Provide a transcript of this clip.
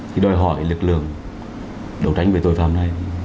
thì đòi hỏi lực lượng đấu tranh với tội phạm này